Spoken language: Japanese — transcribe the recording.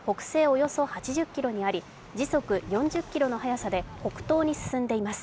およそ８０ｋｍにあり時速４０キロの速さで北東に進んでいます。